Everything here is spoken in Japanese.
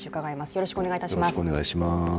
よろしくお願いします。